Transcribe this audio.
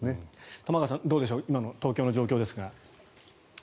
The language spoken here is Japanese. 玉川さん、どうでしょう今の東京の状況ですが。